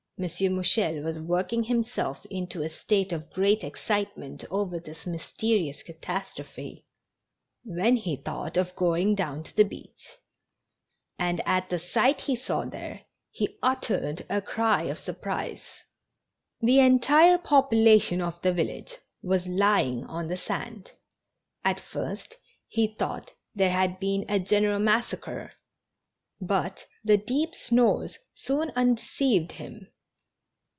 Mouchel was working himself into a state of great excitement over this mysterious catastrophe, when he thought of going down to the beach, and, at the sight he saw tiiere, he uttered a cry of surprise. The entire population of the village was lying on the sand. At first he thought there had been a general massacre, but the deep snores soon undeceived him.